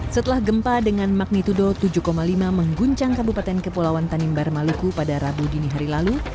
setelah gempa dengan magnitudo tujuh lima mengguncang kabupaten kepulauan tanimbar maluku pada rabu dini hari lalu